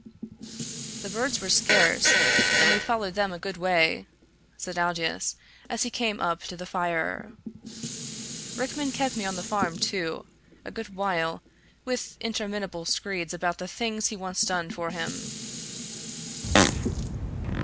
"The birds were scarce, and we followed them a good way," said Aldous, as he came up to the fire. "Rickman kept me on the farm, too, a good while, with interminable screeds about the things he wants done for him."